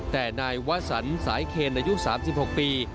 แต่นายวสันสายเคนอายุ๓๖ปี